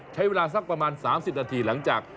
ใช้เวลาสักประมาณ๓๐นาทีหลังจาก